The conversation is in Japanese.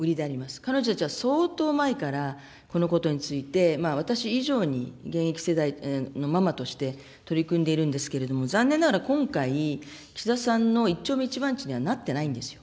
彼女たちは相当前から、このことについて、私以上に現役世代のままとして、取り組んでいるんですけれども、残念ながら今回、岸田さんの一丁目一番地にはなっていないんです。